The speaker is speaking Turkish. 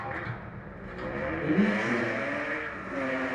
Benim için geldi.